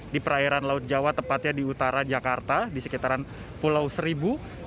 di perairan laut jawa tepatnya di utara jakarta di sekitaran pulau seribu